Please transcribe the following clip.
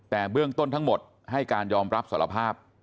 แต่เบื้องต้นทั้งหมดให้การยอมรับสารภาพ